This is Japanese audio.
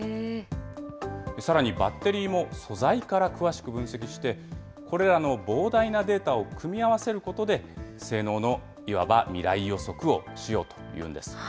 さらにバッテリーも素材から詳しく分析して、これらの膨大なデータを組み合わせることで、性能のいわば未来予測をしようというんです。